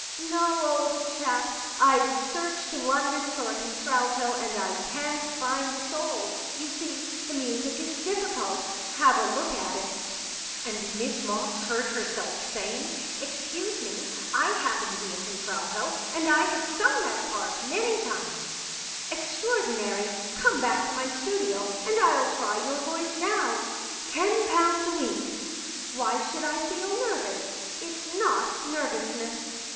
* No, old chap, I've searched London for a contralto and I can't find a soul. You see, the music is difficult ; have a look at it.' " And Miss Moss heard herself saying :Excuse me, I happen to be a contralto, and I have sung that part many times. ... Extraordinary !* Come back to my studio and I'll try your voice now.' ... Ten pounds a week. ... Why should I feel nervous ? It's not nervousness.